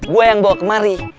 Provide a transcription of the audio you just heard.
gue yang bawa kemari